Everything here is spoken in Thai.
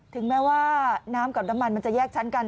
ถึงแม้ว่าน้ำกับน้ำมันมันจะแยกชั้นกัน